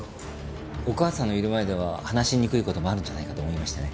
お母さんのいる前では話しにくい事もあるんじゃないかと思いましてね。